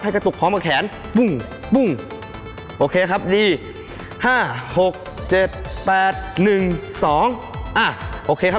ให้กระตุกพร้อมกับแขนโอเคครับดีห้าหกเจ็บแปดหนึ่งสองอ่ะโอเคครับ